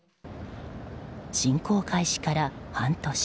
侵攻開始から半年。